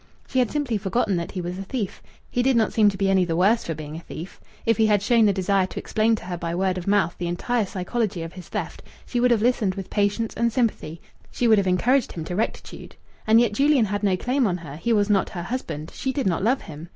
She had simply forgotten that he was a thief. He did not seem to be any the worse for being a thief. If he had shown the desire to explain to her by word of mouth the entire psychology of his theft, she would have listened with patience and sympathy; she would have encouraged him to rectitude. And yet Julian had no claim on her; he was not her husband; she did not love him.